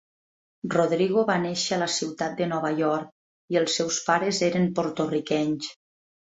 Rodrigo va néixer a la ciutat de Nova York i els seus pares eren porto-riquenys.